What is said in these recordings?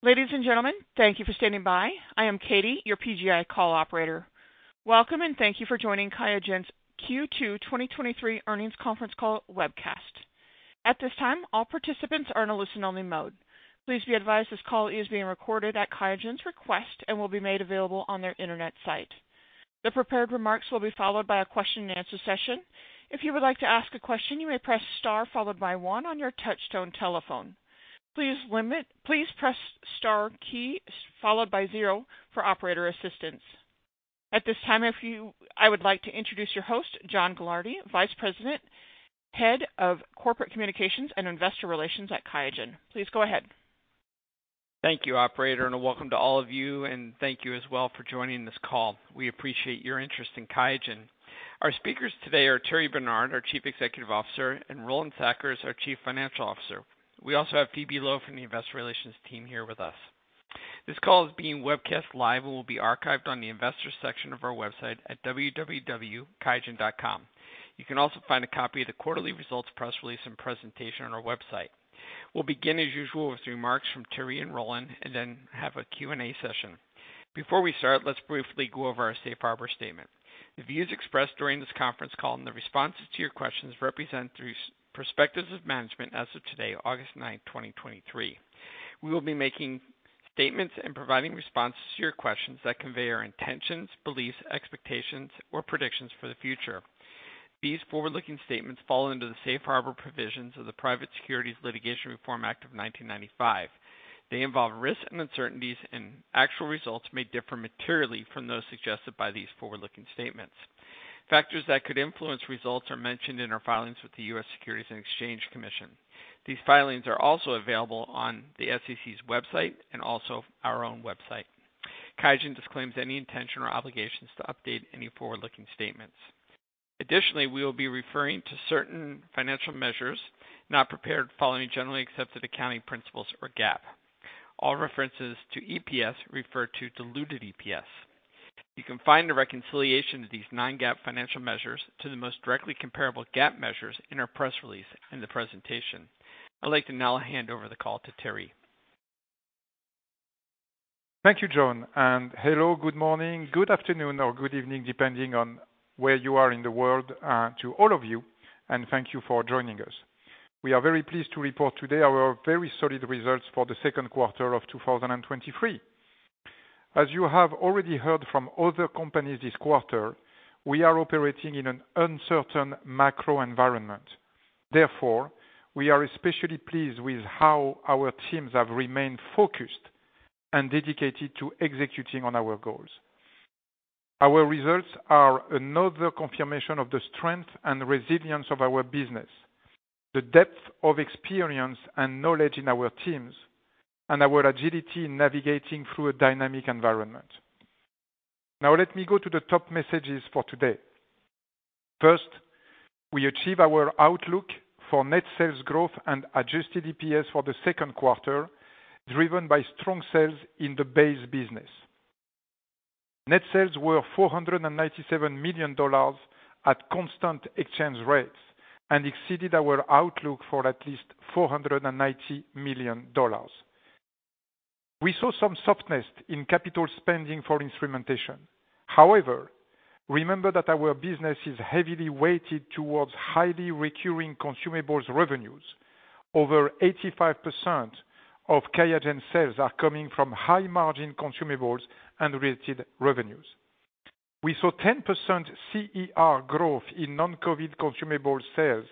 Ladies and gentlemen, thank you for standing by. I am Katie, your PGI call operator. Welcome, and thank you for joining QIAGEN's Q2 2023 earnings conference call webcast. At this time, all participants are in a listen-only mode. Please be advised this call is being recorded at QIAGEN's request and will be made available on their internet site. The prepared remarks will be followed by a question-and-answer session. If you would like to ask a question, you may press star followed by one on your touchtone telephone. Please press star key followed by zero for operator assistance. At this time, I would like to introduce your host, John Gilardi, Vice President, Head of Corporate Communications and Investor Relations at QIAGEN. Please go ahead. Thank you, operator, and welcome to all of you, and thank you as well for joining this call. We appreciate your interest in QIAGEN. Our speakers today are Thierry Bernard, our Chief Executive Officer, and Roland Sackers, our Chief Financial Officer. We also have Phoebe Loh from the Investor Relations team here with us. This call is being webcast live and will be archived on the investors section of our website at www.qiagen.com. You can also find a copy of the quarterly results, press release, and presentation on our website. We'll begin, as usual, with remarks from Thierry and Roland, and then have a Q&A session. Before we start, let's briefly go over our safe harbor statement. The views expressed during this conference call and the responses to your questions represent the perspectives of management as of today, August 9, 2023. We will be making statements and providing responses to your questions that convey our intentions, beliefs, expectations, or predictions for the future. These forward-looking statements fall under the Safe Harbor Provisions of the Private Securities Litigation Reform Act of 1995. They involve risks and uncertainties, and actual results may differ materially from those suggested by these forward-looking statements. Factors that could influence results are mentioned in our filings with the US Securities and Exchange Commission. These filings are also available on the SEC's website and also our own website. QIAGEN disclaims any intention or obligations to update any forward-looking statements. Additionally, we will be referring to certain financial measures not prepared following generally accepted accounting principles or GAAP. All references to EPS refer to diluted EPS. You can find a reconciliation to these non-GAAP financial measures to the most directly comparable GAAP measures in our press release in the presentation. I'd like to now hand over the call to Thierry. Thank you, John, and hello, good morning, good afternoon, or good evening, depending on where you are in the world, to all of you, and thank you for joining us. We are very pleased to report today our very solid results for the second quarter of 2023. As you have already heard from other companies this quarter, we are operating in an uncertain macro environment. Therefore, we are especially pleased with how our teams have remained focused and dedicated to executing on our goals. Our results are another confirmation of the strength and resilience of our business, the depth of experience and knowledge in our teams, and our agility in navigating through a dynamic environment. Now, let me go to the top messages for today. First, we achieve our outlook for net sales growth and adjusted EPS for the second quarter, driven by strong sales in the base business. Net sales were $497 million at constant exchange rates and exceeded our outlook for at least $490 million. We saw some softness in capital spending for instrumentation. Remember that our business is heavily weighted towards highly recurring consumables revenues. Over 85% of QIAGEN sales are coming from high-margin consumables and related revenues. We saw 10% CER growth in non-COVID consumable sales,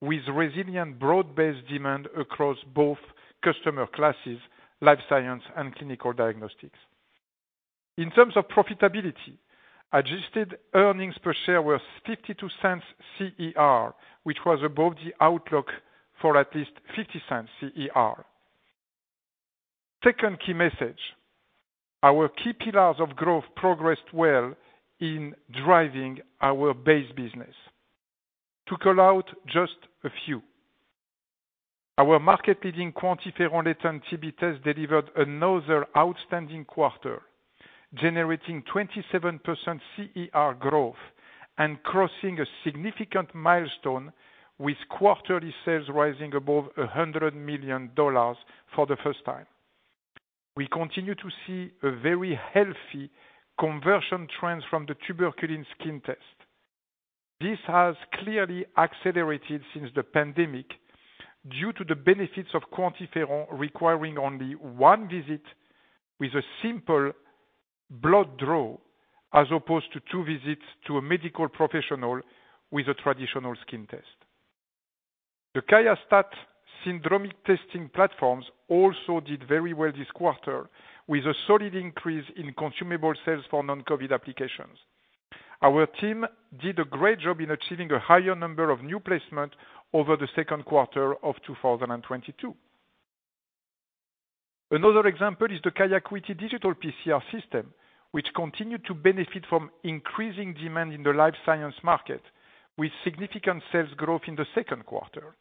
with resilient, broad-based demand across both customer classes, life science and clinical diagnostics. In terms of profitability, adjusted earnings per share were $0.52 CER, which was above the outlook for at least $0.50 CER. Second key message: Our key pillars of growth progressed well in driving our base business. To call out just a few, our market-leading QuantiFERON-TB test delivered another outstanding quarter, generating 27% CER growth and crossing a significant milestone with quarterly sales rising above $100 million for the first time. We continue to see a very healthy conversion trends from the tuberculin skin test. This has clearly accelerated since the pandemic, due to the benefits of QuantiFERON, requiring only one visit with a simple blood draw, as opposed to two visits to a medical professional with a traditional skin test. The QIAstat syndromic testing platforms also did very well this quarter, with a solid increase in consumable sales for non-COVID applications. Our team did a great job in achieving a higher number of new placements over the second quarter of 2022. Another example is the QIAcuity Digital PCR system, which continued to benefit from increasing demand in the life science market, with significant sales growth in the second quarter.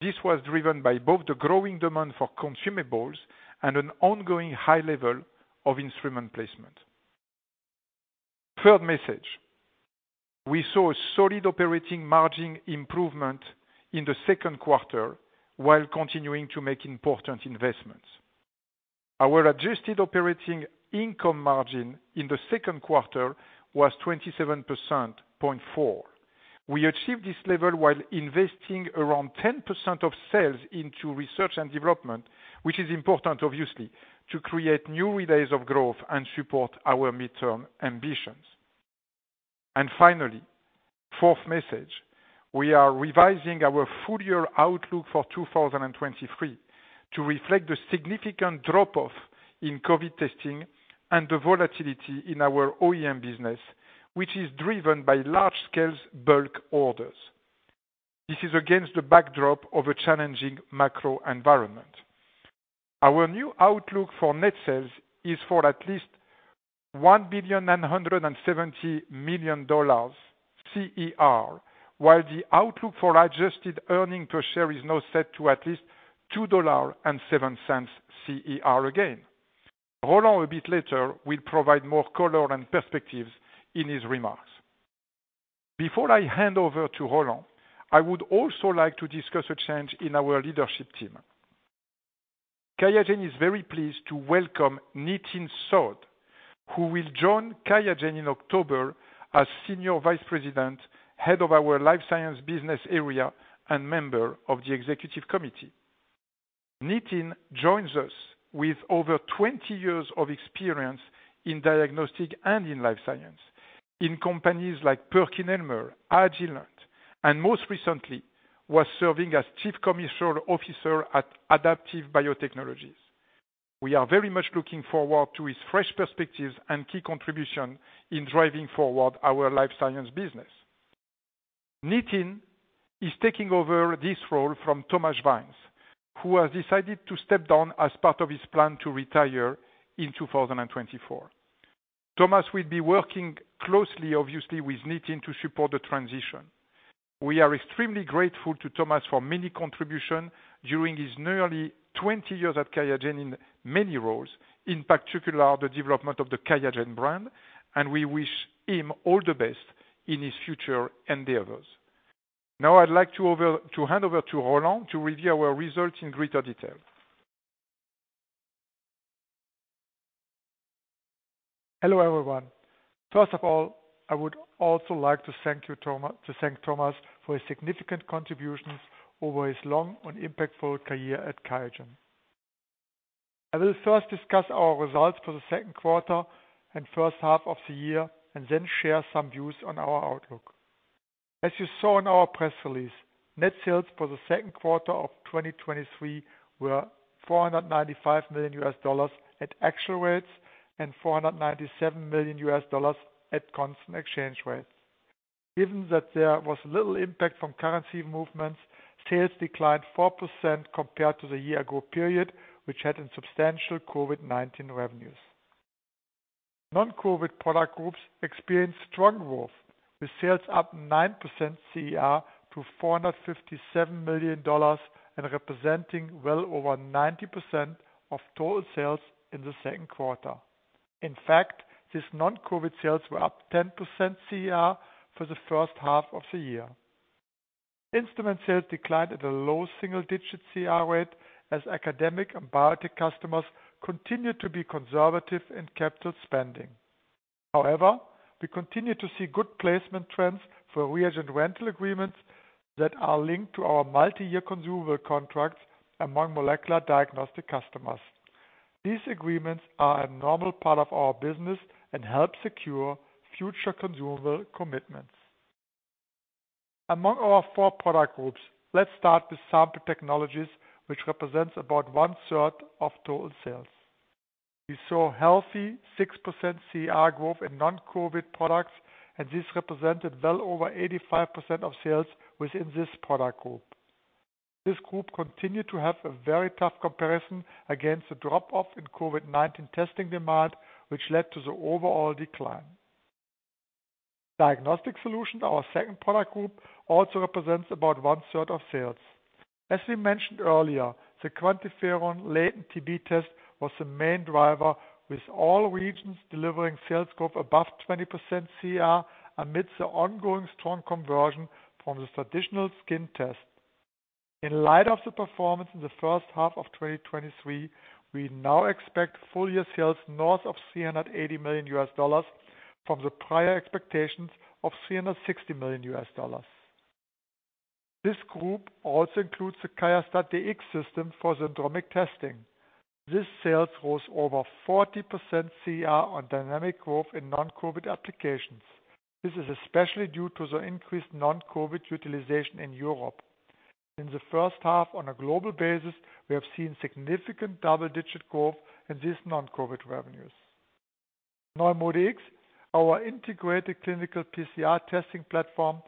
This was driven by both the growing demand for consumables and an ongoing high level of instrument placement. Third message, we saw a solid operating margin improvement in the second quarter while continuing to make important investments. Our adjusted operating income margin in the second quarter was 27.4%. We achieved this level while investing around 10% of sales into research and development, which is important, obviously, to create new relays of growth and support our midterm ambitions. Finally, fourth message, we are revising our full year outlook for 2023 to reflect the significant drop-off in COVID testing and the volatility in our OEM business, which is driven by large scale bulk orders. This is against the backdrop of a challenging macro environment. Our new outlook for net sales is for at least $1.97 billion CER, while the outlook for adjusted earning per share is now set to at least $2.07 CER again. Roland, a bit later, will provide more color and perspectives in his remarks. Before I hand over to Roland, I would also like to discuss a change in our leadership team. QIAGEN is very pleased to welcome Nitin Sood, who will join QIAGEN in October as Senior Vice President, Head of our Life Sciences Business Area, and member of the executive committee. Nitin joins us with over 20 years of experience in diagnostic and in life science, in companies like PerkinElmer, Agilent, and most recently was serving as Chief Commercial Officer at Adaptive Biotechnologies. We are very much looking forward to his fresh perspectives and key contribution in driving forward our life science business. Nitin is taking over this role from Thomas Schweins, who has decided to step down as part of his plan to retire in 2024. Thomas will be working closely, obviously, with Nitin to support the transition. We are extremely grateful to Thomas for many contribution during his nearly 20 years at QIAGEN in many roles, in particular, the development of the QIAGEN brand, and we wish him all the best in his future endeavors. Now I'd like to hand over to Roland to review our results in greater detail. Hello, everyone. First of all, I would also like to thank you, to thank Thomas for his significant contributions over his long and impactful career at QIAGEN. I will first discuss our results for the second quarter and first half of the year, and then share some views on our outlook. As you saw in our press release, net sales for the second quarter of 2023 were $495 million at actual rates, and $497 million at constant exchange rates. Given that there was little impact from currency movements, sales declined 4% compared to the year ago period, which had a substantial COVID-19 revenues. Non-COVID product groups experienced strong growth, with sales up 9% CER to $457 million, and representing well over 90% of total sales in the second quarter. In fact, these non-COVID sales were up 10% CER for the first half of the year. Instrument sales declined at a low single digit CER rate as academic and biotech customers continued to be conservative in capital spending. We continue to see good placement trends for reagent rental agreements that are linked to our multi-year consumable contracts among molecular diagnostic customers. These agreements are a normal part of our business and help secure future consumable commitments. Among our four product groups, let's start with sample technologies, which represents about one third of total sales. We saw healthy 6% CER growth in non-COVID products, this represented well over 85% of sales within this product group. This group continued to have a very tough comparison against the drop-off in COVID-19 testing demand, which led to the overall decline. Diagnostic solutions, our second product group, also represents about one third of sales. As we mentioned earlier, the QuantiFERON latent TB test was the main driver, with all regions delivering sales growth above 20% CER, amidst the ongoing strong conversion from the traditional skin test. In light of the performance in the first half of 2023, we now expect full year sales north of $380 million from the prior expectations of $360 million. This group also includes the QIAstat-Dx system for syndromic testing. This sales rose over 40% CER on dynamic growth in non-COVID applications. This is especially due to the increased non-COVID utilization in Europe. In the first half, on a global basis, we have seen significant double-digit growth in these non-COVID revenues. NeuMoDx, our integrated clinical PCR testing platform,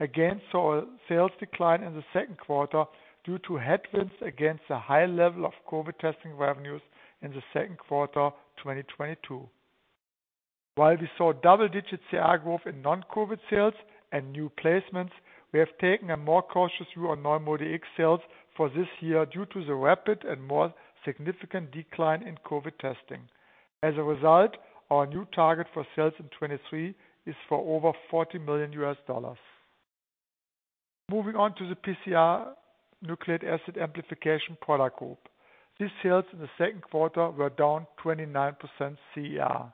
again, saw a sales decline in the second quarter due to headwinds against the high level of COVID testing revenues in the second quarter 2022. While we saw double-digit CER growth in non-COVID sales and new placements, we have taken a more cautious view on NeuMoDx sales for this year due to the rapid and more significant decline in COVID testing. A result, our new target for sales in 2023 is for over $40 million. Moving on to the PCR Nucleic Acid Amplification product group. These sales in the second quarter were down 29% CER.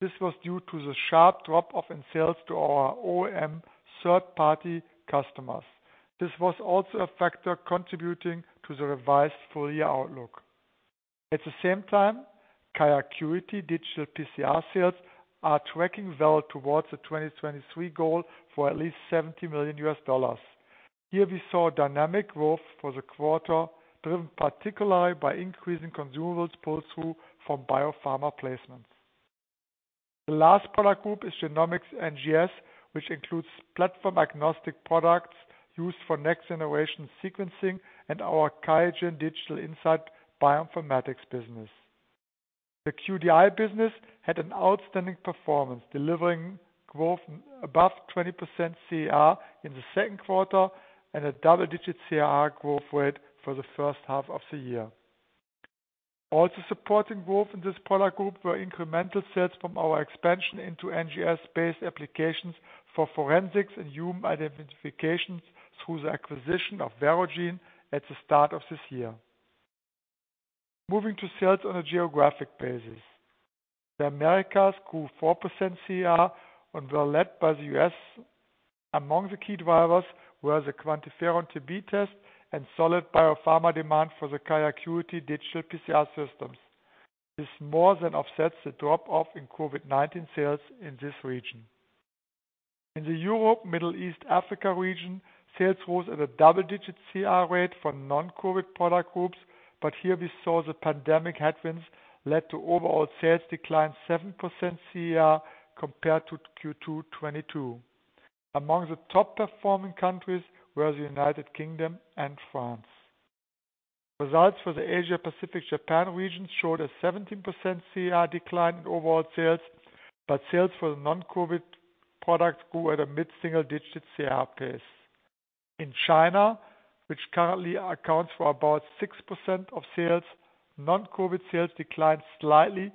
This was due to the sharp drop-off in sales to our OEM third-party customers. This was also a factor contributing to the revised full year outlook. At the same time, QIAcuity digital PCR sales are tracking well towards the 2023 goal for at least $70 million. Here we saw dynamic growth for the quarter, driven particularly by increasing consumables pull-through from biopharma placements. The last product group is Genomics NGS, which includes platform-agnostic products used for next-generation sequencing and our QIAGEN Digital Insights bioinformatics business. The QDI business had an outstanding performance, delivering growth above 20% CER in the second quarter and a double-digit CER growth rate for the first half of the year. Also supporting growth in this product group were incremental sales from our expansion into NGS-based applications for forensics and human identifications through the acquisition of Verogen at the start of this year. Moving to sales on a geographic basis. The Americas grew 4% CER and were led by the US. Among the key drivers were the QuantiFERON-TB test and solid biopharma demand for the QIAcuity Digital PCR systems. This more than offsets the drop-off in COVID-19 sales in this region. In the Europe, Middle East, Africa region, sales rose at a double-digit CER rate for non-COVID product groups, here we saw the pandemic headwinds led to overall sales decline 7% CER compared to Q2 2022. Among the top performing countries were the United Kingdom and France. Results for the Asia Pacific Japan region showed a 17% CER decline in overall sales, sales for the non-COVID product grew at a mid-single digit CER pace. In China, which currently accounts for about 6% of sales, non-COVID sales declined slightly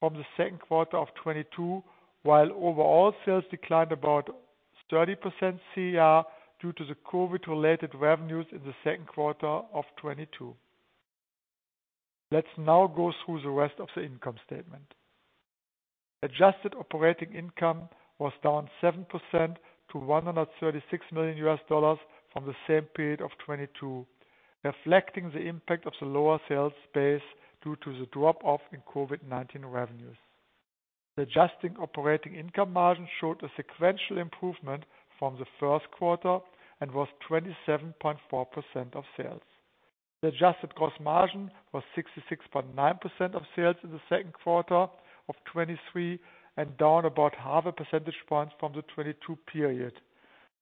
from the second quarter of 2022, while overall sales declined about 30% CER due to the COVID-related revenues in the second quarter of 2022. Let's now go through the rest of the income statement. Adjusted operating income was down 7% to $136 million from the same period of 2022, reflecting the impact of the lower sales base due to the drop-off in COVID-19 revenues. The adjusted operating income margin showed a sequential improvement from the first quarter and was 27.4% of sales. The adjusted gross margin was 66.9% of sales in the second quarter of 2023, and down about half a percentage point from the 2022 period.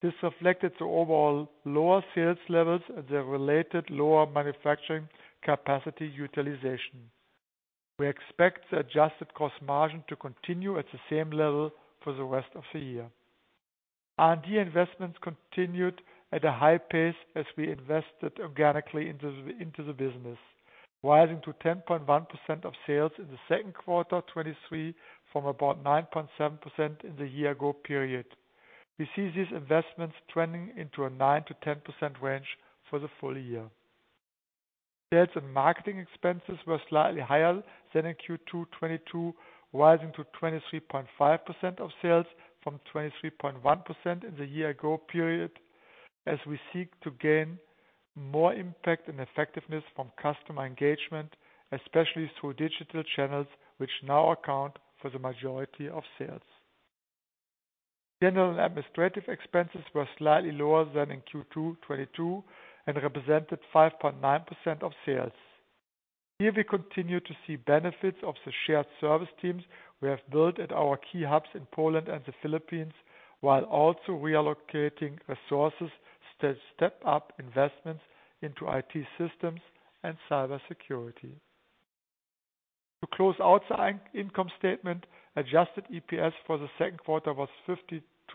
This reflected the overall lower sales levels and the related lower manufacturing capacity utilization. We expect the adjusted cost margin to continue at the same level for the rest of the year. R&D investments continued at a high pace as we invested organically into the, into the business, rising to 10.1% of sales in the second quarter of 2023, from about 9.7% in the year ago period. We see these investments trending into a 9%-10% range for the full year. Sales and marketing expenses were slightly higher than in Q2 2022, rising to 23.5% of sales from 23.1% in the year ago period, as we seek to gain more impact and effectiveness from customer engagement, especially through digital channels, which now account for the majority of sales. General administrative expenses were slightly lower than in Q2 2022 and represented 5.9% of sales. Here, we continue to see benefits of the shared service teams we have built at our key hubs in Poland and the Philippines, while also reallocating resources to step up investments into IT systems and cybersecurity. To close out the income statement, adjusted EPS for the second quarter was $0.52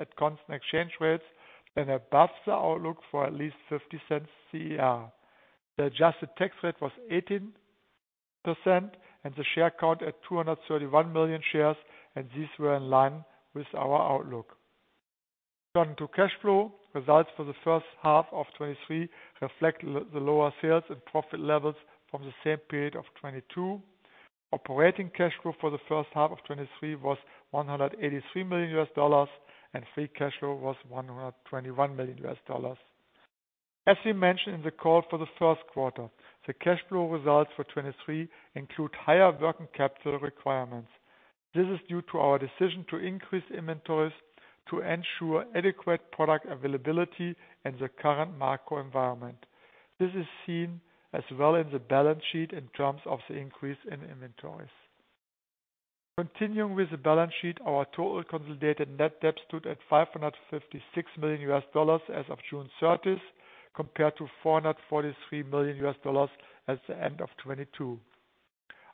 at constant exchange rates and above the outlook for at least $0.50 CER. The adjusted tax rate was 18% and the share count at 231 million shares. These were in line with our outlook. Turning to cash flow, results for the first half of 2023 reflect the lower sales and profit levels from the same period of 2022. Operating cash flow for the first half of 2023 was $183 million. Free cash flow was $121 million. As we mentioned in the call for the first quarter, the cash flow results for 2023 include higher working capital requirements. This is due to our decision to increase inventories to ensure adequate product availability in the current market environment. This is seen as well in the balance sheet in terms of the increase in inventories. Continuing with the balance sheet, our total consolidated net debt stood at $556 million as of June 30th, compared to $443 million at the end of 2022.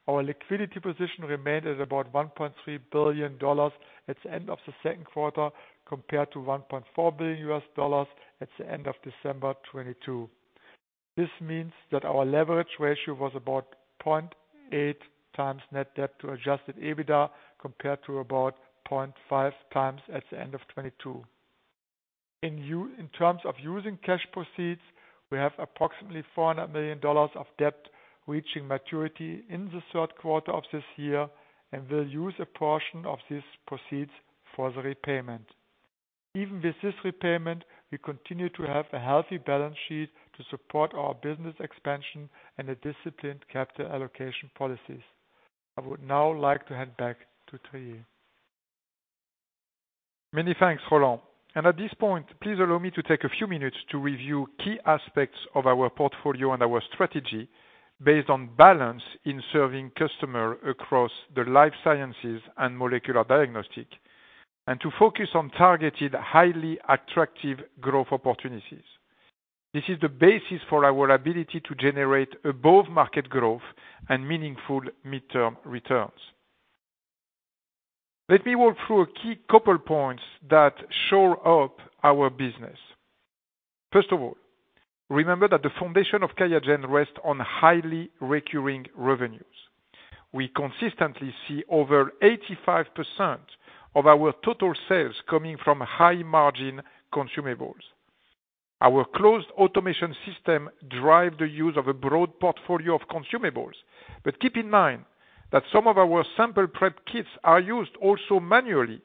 Our liquidity position remained at about $1.3 billion at the end of the second quarter, compared to $1.4 billion at the end of December 2022. This means that our leverage ratio was about 0.8x net debt to Adjusted EBITDA, compared to about 0.5x at the end of 2022. In terms of using cash proceeds, we have approximately $400 million of debt reaching maturity in the third quarter of this year, and will use a portion of these proceeds for the repayment. Even with this repayment, we continue to have a healthy balance sheet to support our business expansion and a disciplined capital allocation policies. I would now like to hand back to Thierry. Many thanks, Roland. At this point, please allow me to take a few minutes to review key aspects of our portfolio and our strategy, based on balance in serving customer across the life sciences and molecular diagnostic, and to focus on targeted, highly attractive growth opportunities. This is the basis for our ability to generate above-market growth and meaningful midterm returns. Let me walk through a key couple points that show up our business. First of all, remember that the foundation of QIAGEN rests on highly recurring revenues. We consistently see over 85% of our total sales coming from high-margin consumables. Our closed automation system drive the use of a broad portfolio of consumables, but keep in mind that some of our sample prep kits are used also manually.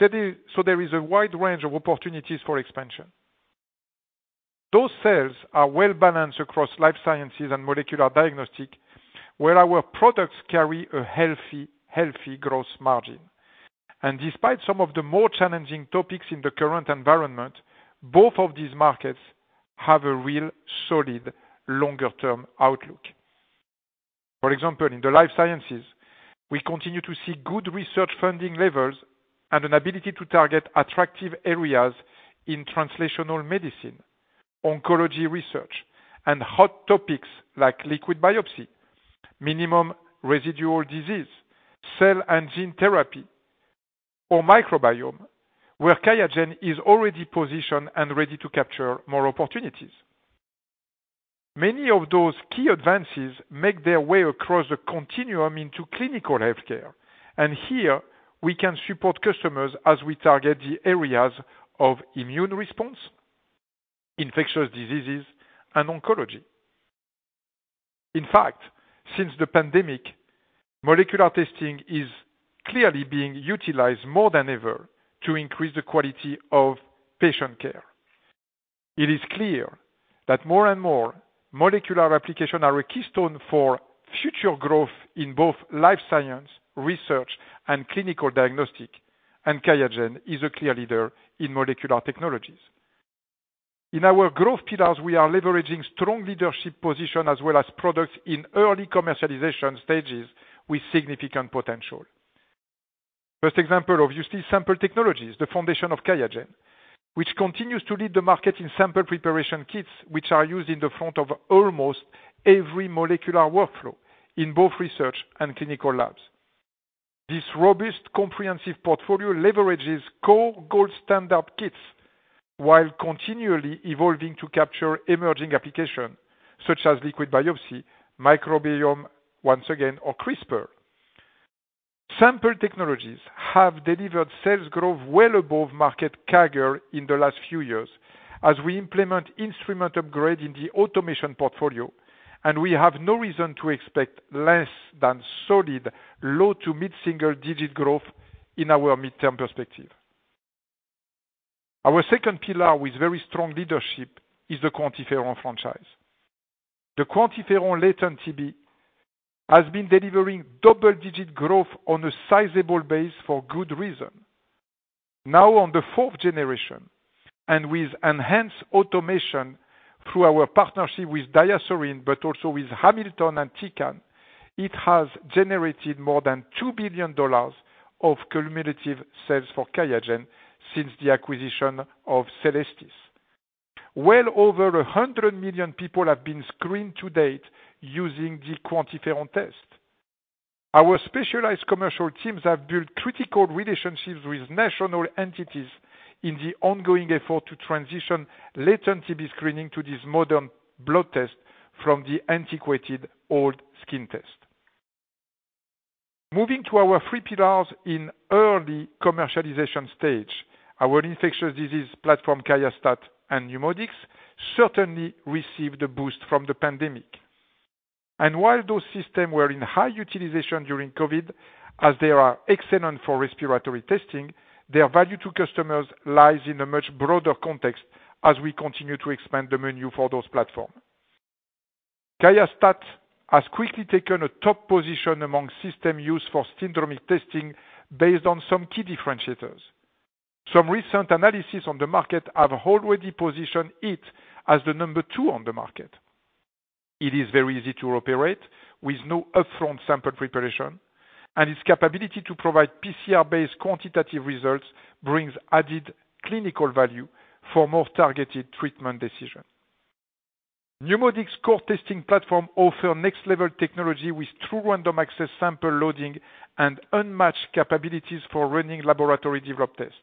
There is a wide range of opportunities for expansion. Those sales are well-balanced across life sciences and molecular diagnostic, where our products carry a healthy, healthy growth margin. Despite some of the more challenging topics in the current environment, both of these markets have a real solid, longer-term outlook. For example, in the life sciences, we continue to see good research funding levels and an ability to target attractive areas in translational medicine, oncology research, and hot topics like liquid biopsy, minimal residual disease, cell and gene therapy, or microbiome, where QIAGEN is already positioned and ready to capture more opportunities. Many of those key advances make their way across the continuum into clinical healthcare, and here we can support customers as we target the areas of immune response, infectious diseases, and oncology. In fact, since the pandemic, molecular testing is clearly being utilized more than ever to increase the quality of patient care. It is clear that more and more molecular application are a keystone for future growth in both life sciences, research, and clinical diagnostics. QIAGEN is a clear leader in molecular technologies. In our growth pillars, we are leveraging strong leadership position as well as products in early commercialization stages with significant potential. First example, obviously, Sample technologies, the foundation of QIAGEN, which continues to lead the market in sample preparation kits, which are used in the front of almost every molecular workflow in both research and clinical labs. This robust, comprehensive portfolio leverages core gold standard kits, while continually evolving to capture emerging applications such as liquid biopsy, microbiome, once again, or CRISPR. Sample technologies have delivered sales growth well above market CAGR in the last few years, as we implement instrument upgrade in the automation portfolio, we have no reason to expect less than solid, low to mid-single-digit growth in our midterm perspective. Our second pillar with very strong leadership is the QuantiFERON franchise. The QuantiFERON latent TB has been delivering double-digit growth on a sizable base for good reason. Now, on the fourth generation, and with enhanced automation through our partnership with DiaSorin, but also with Hamilton and Tecan, it has generated more than $2 billion of cumulative sales for QIAGEN since the acquisition of Cellestis. Well over 100 million people have been screened to date using the QuantiFERON test. Our specialized commercial teams have built critical relationships with national entities in the ongoing effort to transition latent TB screening to this modern blood test from the antiquated old skin test. Our infectious disease platform, QIAstat and NeuMoDx, certainly received a boost from the pandemic. While those systems were in high utilization during COVID, as they are excellent for respiratory testing, their value to customers lies in a much broader context as we continue to expand the menu for those platforms. QIAstat has quickly taken a top position among system use for syndromic testing based on some key differentiators. Some recent analysis on the market have already positioned it as the number two on the market. It is very easy to operate with no upfront sample preparation, and its capability to provide PCR-based quantitative results brings added clinical value for more targeted treatment decision. NeuMoDx core testing platform offer next-level technology with true random access sample loading and unmatched capabilities for running laboratory developed tests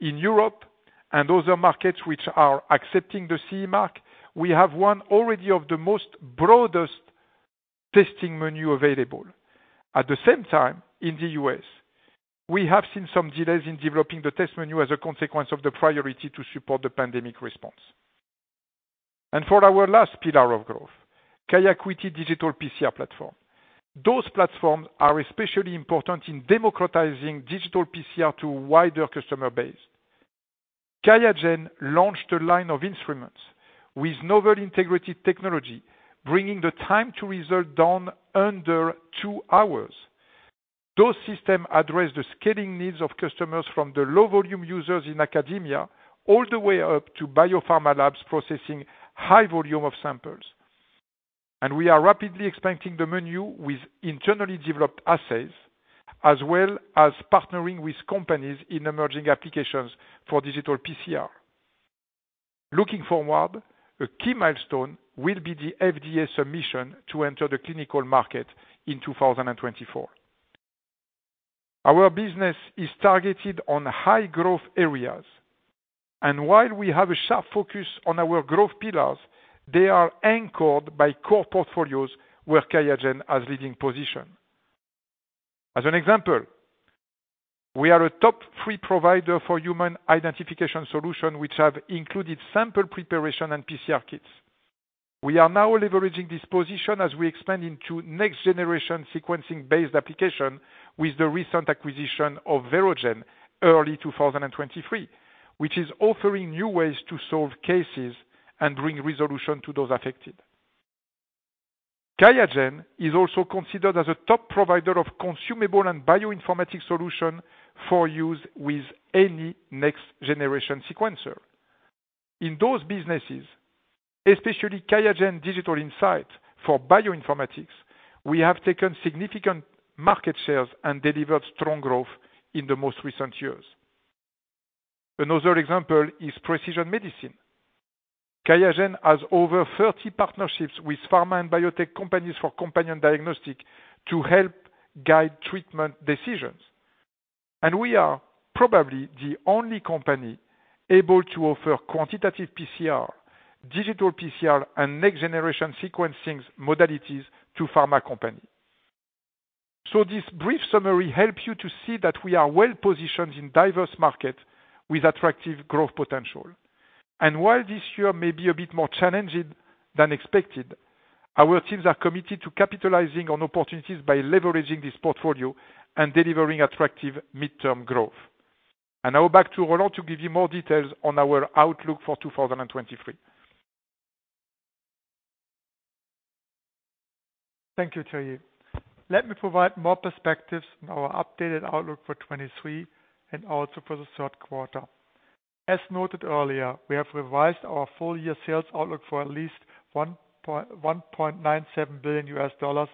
in Europe and other markets which are accepting the CE mark, we have one already of the most broadest testing menu available. At the same time, in the US, we have seen some delays in developing the test menu as a consequence of the priority to support the pandemic response. For our last pillar of growth, QIAcuity Digital PCR platform. Those platforms are especially important in democratizing Digital PCR to a wider customer base. QIAGEN launched a line of instruments with novel integrated technology, bringing the time to result down under two hours. Those system address the scaling needs of customers from the low volume users in academia, all the way up to biopharma labs processing high volume of samples. We are rapidly expanding the menu with internally developed assays, as well as partnering with companies in emerging applications for Digital PCR. Looking forward, a key milestone will be the FDA submission to enter the clinical market in 2024. Our business is targeted on high growth areas, while we have a sharp focus on our growth pillars, they are anchored by core portfolios where QIAGEN has leading position. As an example, we are a top 3 provider for Human Identification solution, which have included sample preparation and PCR kits. We are now leveraging this position as we expand into next-generation sequencing-based application with the recent acquisition of Verogen, early 2023, which is offering new ways to solve cases and bring resolution to those affected. QIAGEN is also considered as a top provider of consumable and bioinformatics solution for use with any next-generation sequencer. In those businesses, especially QIAGEN Digital Insights for bioinformatics, we have taken significant market shares and delivered strong growth in the most recent years. Another example is precision medicine. QIAGEN has over 30 partnerships with pharma and biotech companies for companion diagnostic to help guide treatment decisions. We are probably the only company able to offer quantitative PCR, digital PCR, and next-generation sequencing modalities to pharma company. This brief summary helps you to see that we are well positioned in diverse market with attractive growth potential. While this year may be a bit more challenging than expected, our teams are committed to capitalizing on opportunities by leveraging this portfolio and delivering attractive midterm growth. Now back to Roland to give you more details on our outlook for 2023. Thank you, Thierry. Let me provide more perspectives on our updated outlook for 2023 and also for the third quarter. As noted earlier, we have revised our full year sales outlook for at least $1.97 billion at CER.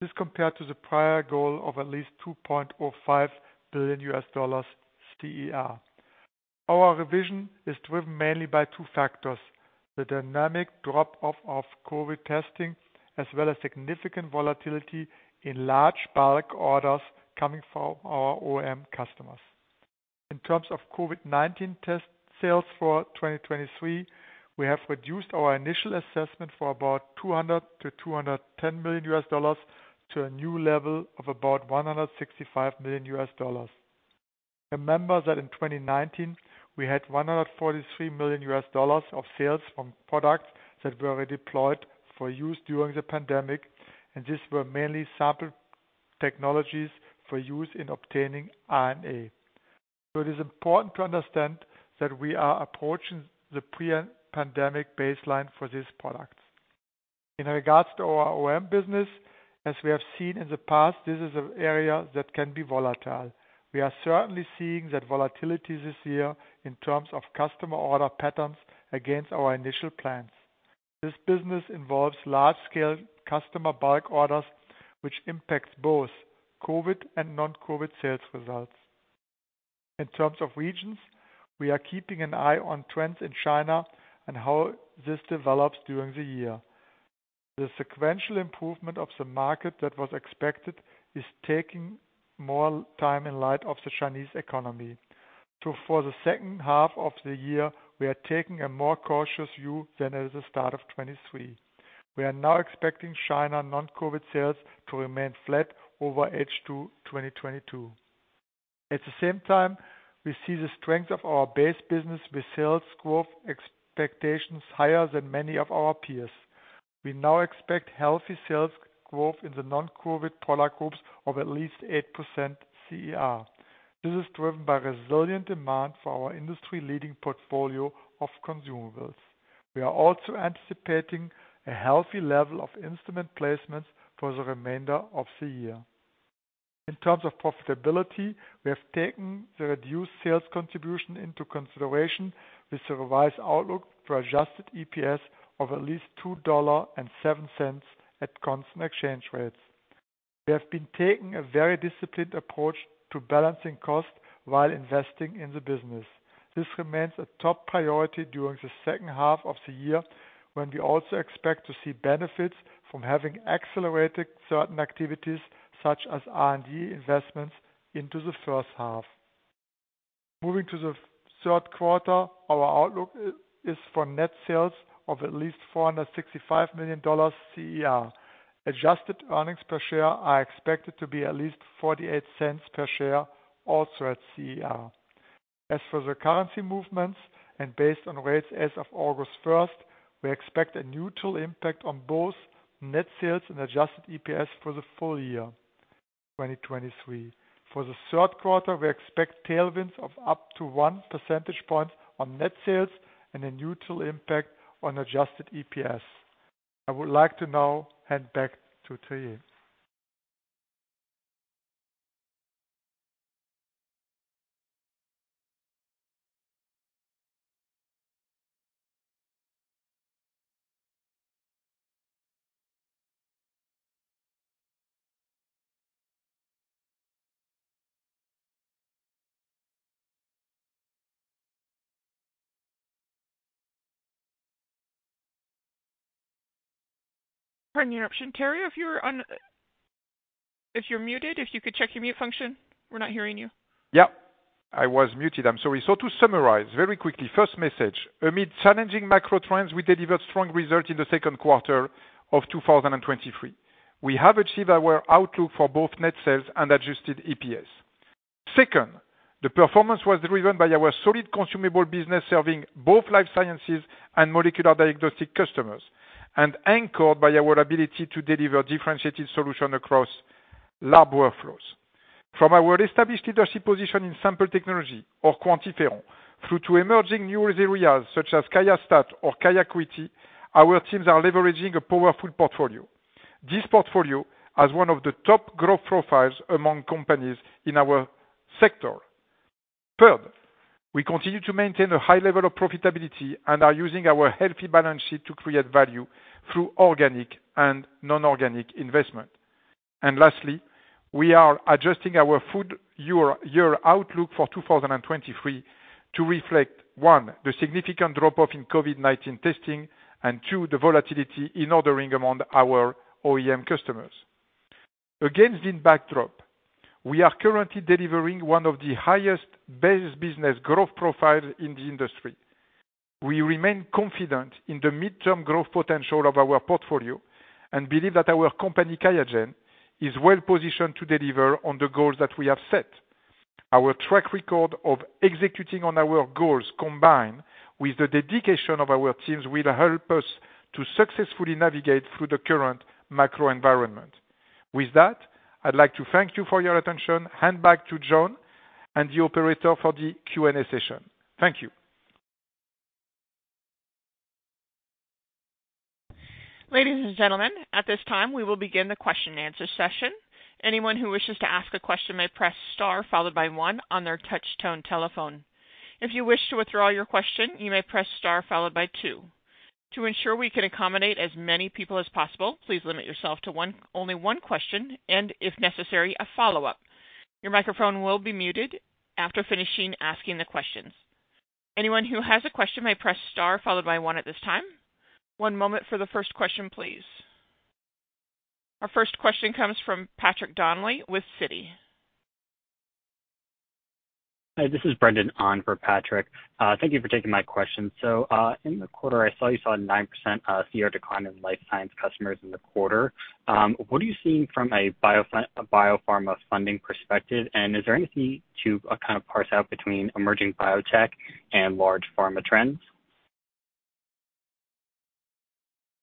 This compared to the prior goal of at least $2.05 billion CER. Our revision is driven mainly by two factors: the dynamic drop-off of COVID testing, as well as significant volatility in large bulk orders coming from our OEM customers. In terms of COVID-19 test sales for 2023, we have reduced our initial assessment for about $200 million-$210 million, to a new level of about $165 million. Remember that in 2019, we had $143 million of sales from products that were redeployed for use during the pandemic, and these were mainly sample technologies for use in obtaining RNA. It is important to understand that we are approaching the pre-pandemic baseline for these products. In regards to our OEM business, as we have seen in the past, this is an area that can be volatile. We are certainly seeing that volatility this year in terms of customer order patterns against our initial plans. This business involves large-scale customer bulk orders, which impacts both COVID and non-COVID sales results. In terms of regions, we are keeping an eye on trends in China and how this develops during the year. The sequential improvement of the market that was expected is taking more time in light of the Chinese economy. For the second half of the year, we are taking a more cautious view than at the start of 2023. We are now expecting China non-COVID sales to remain flat over H2 2022. At the same time, we see the strength of our base business with sales growth expectations higher than many of our peers. We now expect healthy sales growth in the non-COVID product groups of at least 8% CER. This is driven by resilient demand for our industry-leading portfolio of consumables. We are also anticipating a healthy level of instrument placements for the remainder of the year. In terms of profitability, we have taken the reduced sales contribution into consideration with the revised outlook for adjusted EPS of at least $2.07 at constant exchange rates. We have been taking a very disciplined approach to balancing cost while investing in the business. This remains a top priority during the second half of the year, when we also expect to see benefits from having accelerated certain activities, such as R&D investments, into the first half. Moving to the third quarter, our outlook is for net sales of at least $465 million CER. Adjusted earnings per share are expected to be at least $0.48 per share, also at CER. As for the currency movements and based on rates as of August first, we expect a neutral impact on both net sales and adjusted EPS for the full year 2023. For the third quarter, we expect tailwinds of up to 1 percentage point on net sales and a neutral impact on adjusted EPS. I would like to now hand back to Thierry. Pardon the interruption, Thierry, if you're on, if you're muted, if you could check your mute function, we're not hearing you. Yeah, I was muted. I'm sorry. To summarize very quickly, first message: amid challenging macro trends, we delivered strong results in the second quarter of 2023. We have achieved our outlook for both net sales and adjusted EPS. Second, the performance was driven by our solid consumable business, serving both life sciences and molecular diagnostic customers, and anchored by our ability to deliver differentiated solutions across lab workflows. From our established leadership position in sample technology or QuantiFERON, through to emerging new areas such as QIAstat or QIAcuity, our teams are leveraging a powerful portfolio. This portfolio has one of the top growth profiles among companies in our sector. Third, we continue to maintain a high level of profitability and are using our healthy balance sheet to create value through organic and non-organic investment. Lastly, we are adjusting our full year, year outlook for 2023 to reflect, one, the significant drop-off in COVID-19 testing and two, the volatility in ordering among our OEM customers. Against this backdrop, we are currently delivering one of the highest base business growth profiles in the industry. We remain confident in the midterm growth potential of our portfolio and believe that our company, QIAGEN, is well positioned to deliver on the goals that we have set. Our track record of executing on our goals, combined with the dedication of our teams, will help us to successfully navigate through the current macro environment. With that, I'd like to thank you for your attention. Hand back to John and the operator for the Q&A session. Thank you. Ladies and gentlemen, at this time, we will begin the question and answer session. Anyone who wishes to ask a question may press star, followed by one on their touch tone telephone. If you wish to withdraw your question, you may press star followed by two. To ensure we can accommodate as many people as possible, please limit yourself to one, only one question and if necessary, a follow-up. Your microphone will be muted after finishing asking the questions. Anyone who has a question may press star followed by one at this time. One moment for the first question, please. Our first question comes from Patrick Donnelly with Citi. Hi, this is Brendan on for Patrick. Thank you for taking my question. In the quarter, I saw you saw a 9% year decline in Life Sciences customers in the quarter. What are you seeing from a biopharma funding perspective? Is there anything to kind of parse out between emerging biotech and large pharma trends?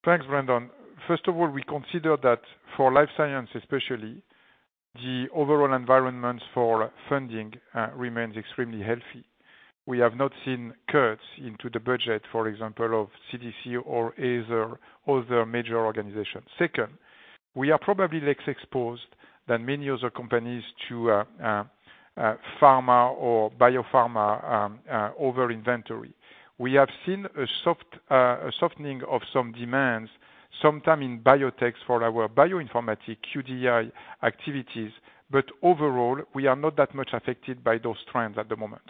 Thanks, Brendan. First of all, we consider that for life science especially, the overall environment for funding, remains extremely healthy. We have not seen cuts into the budget, for example, of CDC or other, other major organizations. Second, we are probably less exposed than many other companies to, pharma or biopharma, over inventory. We have seen a soft, a softening of some demands, sometime in biotechs for our bioinformatics QDI activities. Overall, we are not that much affected by those trends at the moment.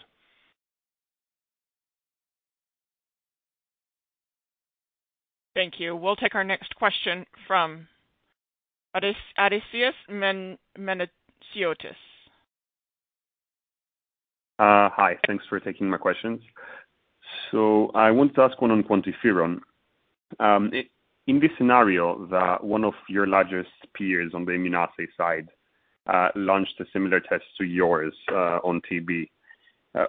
Thank you. We'll take our next question from Odysseas Manesiotis. Hi, thanks for taking my questions. I want to ask one on QuantiFERON. In this scenario that one of your largest peers on the immunoassay side, launched a similar test to yours, on TB.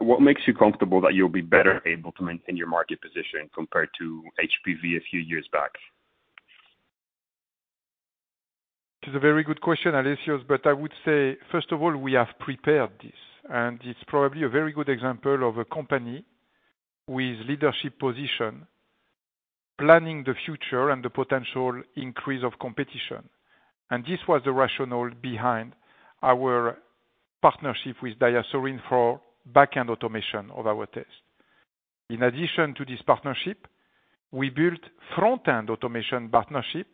What makes you comfortable that you'll be better able to maintain your market position compared to HPV a few years back? It's a very good question, Odysseas, but I would say, first of all, we have prepared this, and it's probably a very good example of a company with leadership position, planning the future and the potential increase of competition. This was the rationale behind our partnership with DiaSorin for backend automation of our test. In addition to this partnership, we built front-end automation partnership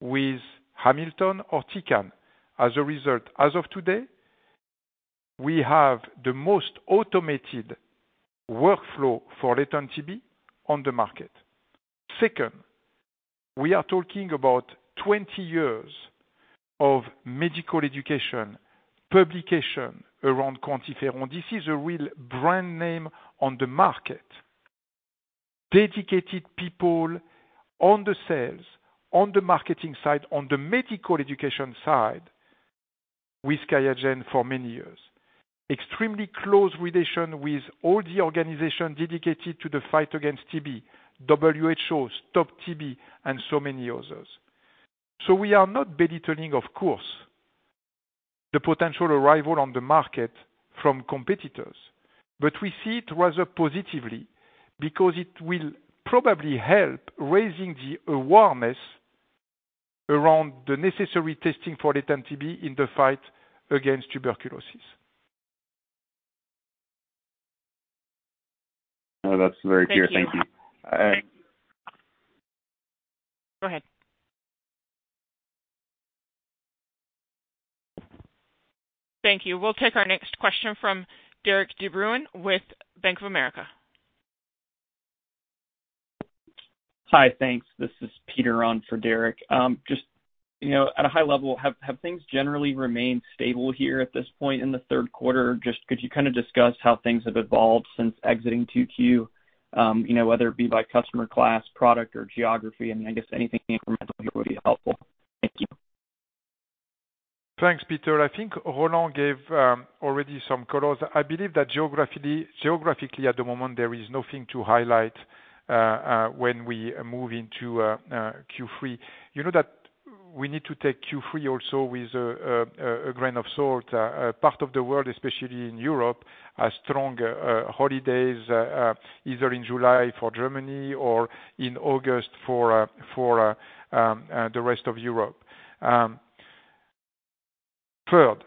with Hamilton Auticon. As a result, as of today, we have the most automated workflow for latent TB on the market. Second, we are talking about 20 years of medical education, publication around QuantiFERON. This is a real brand name on the market. Dedicated people on the sales, on the marketing side, on the medical education side, with QIAGEN for many years. Extremely close relation with all the organization dedicated to the fight against TB, WHO, Stop TB, and so many others. We are not belittling, of course, the potential arrival on the market from competitors, but we see it rather positively because it will probably help raising the awareness around the necessary testing for latent TB in the fight against tuberculosis. No, that's very clear. Thank you. I- Go ahead. Thank you. We'll take our next question from Derik De Bruin, with Bank of America. Hi, thanks. This is Peter on for Derik. Just, you know, at a high level, have, have things generally remained stable here at this point in the third quarter? Just could you kind of discuss how things have evolved since exiting 2Q? You know, whether it be by customer class, product, or geography, I guess anything incremental would be helpful. Thank you. Thanks, Peter. I think Roland gave already some colors. I believe that geographically, at the moment, there is nothing to highlight when we move into Q3. You know that we need to take Q3 also with a grain of salt. A part of the world, especially in Europe, has strong holidays either in July for Germany or in August for the rest of Europe. Third,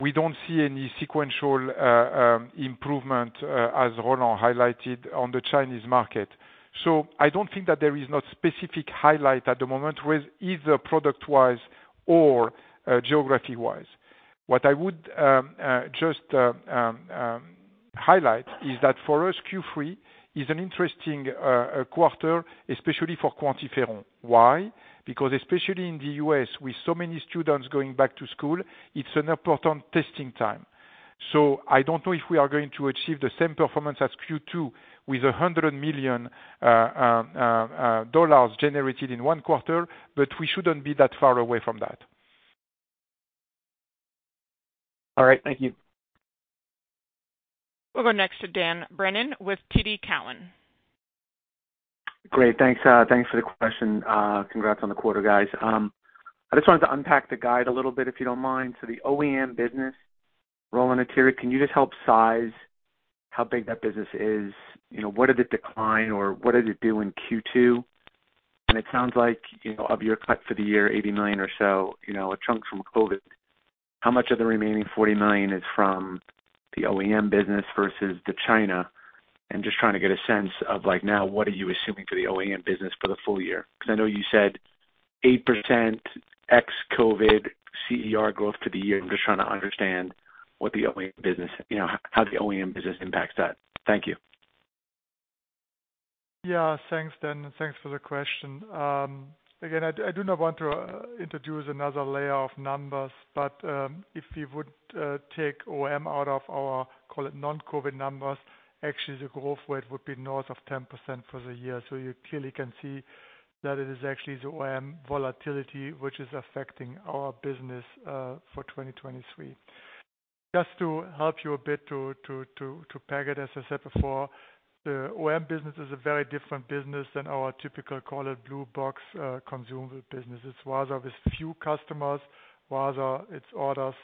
we don't see any sequential improvement as Roland highlighted on the Chinese market. I don't think that there is not specific highlight at the moment, with either product-wise or geography-wise. What I would just highlight is that for us, Q3 is an interesting quarter, especially for QuantiFERON. Why? Especially in the US, with so many students going back to school, it's an important testing time. I don't know if we are going to achieve the same performance as Q2, with $100 million generated in 1 quarter, but we shouldn't be that far away from that. All right. Thank you. We'll go next to Dan Brennan with TD Cowen. Great. Thanks, thanks for the question. Congrats on the quarter, guys. I just wanted to unpack the guide a little bit, if you don't mind. The OEM business, Roland and Thierry, can you just help size how big that business is? You know, what did it decline, or what did it do in Q2? It sounds like, you know, of your cut for the year, $80 million or so, you know, a chunk from COVID. How much of the remaining $40 million is from the OEM business versus the China? I'm just trying to get a sense of, like, now, what are you assuming for the OEM business for the full year? Because I know you said 8% ex-COVID CER growth to the year. I'm just trying to understand what the OEM business, you know, how the OEM business impacts that. Thank you. Yeah. Thanks, Dan. Thanks for the question. Again, I, I do not want to introduce another layer of numbers, but if we would take OEM out of our, call it, non-COVID numbers, actually, the growth rate would be north of 10% for the year. You clearly can see that it is actually the OEM volatility, which is affecting our business for 2023. Just to help you a bit to pack it, as I said before, the OEM business is a very different business than our typical, call it, blue box, consumable business. It's rather with few customers, rather it's orders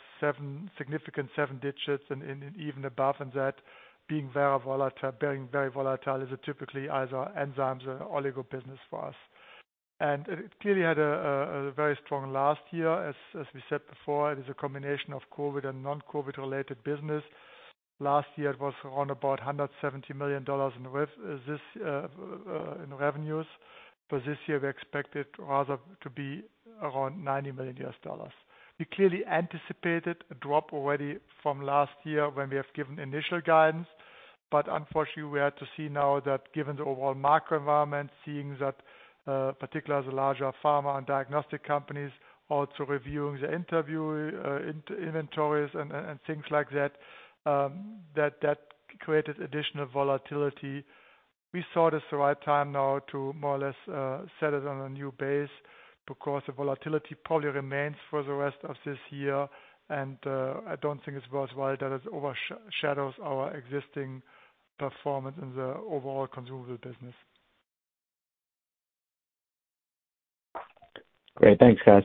significant 7 digits and, and even above, and that being very volatile, being very volatile, is a typically either enzymes or oligo business for us. It clearly had a very strong last year. As we said before, it is a combination of COVID and non-COVID-related business. Last year, it was around about $170 million in rev, this, in revenues. For this year, we expect it rather to be around $90 million. Unfortunately, we had to see now that given the overall macro environment, seeing that particularly the larger pharma and diagnostic companies also reviewing the interview, inventories and things like that, that created additional volatility. We saw this the right time now to more or less set it on a new base because the volatility probably remains for the rest of this year. I don't think it's worthwhile that it overshadows our existing performance in the overall consumable business. Great. Thanks, guys.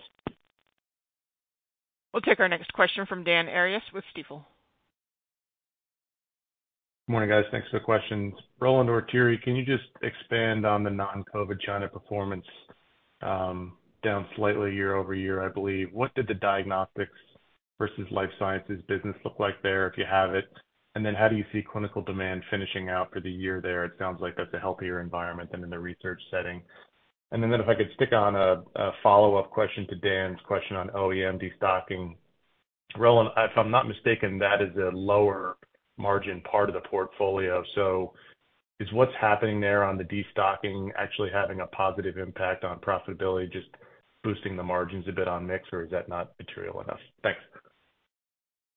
We'll take our next question from Dan Arias with Stifel. Good morning, guys. Thanks for the questions. Roland or Thierry, can you just expand on the non-COVID China performance?... down slightly year-over-year, I believe. What did the diagnostics versus life sciences business look like there, if you have it? How do you see clinical demand finishing out for the year there? It sounds like that's a healthier environment than in the research setting. Then, if I could stick on a follow-up question to Dan's question on OEM destocking. Roland, if I'm not mistaken, that is a lower margin part of the portfolio. Is what's happening there on the destocking actually having a positive impact on profitability, just boosting the margins a bit on mix, or is that not material enough? Thanks.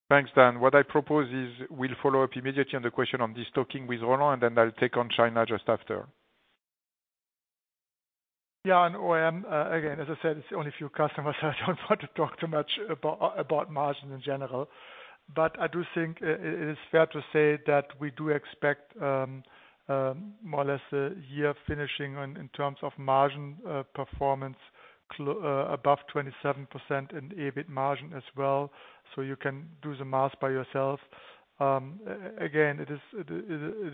Thanks, Dan. What I propose is we'll follow up immediately on the question on destocking with Roland, and then I'll take on China just after. Yeah, on OEM, again, as I said, it's only a few customers, so I don't want to talk too much about margin in general. I do think it is fair to say that we do expect, more or less, the year finishing on, in terms of margin performance above 27% and EBIT margin as well, so you can do the math by yourself. It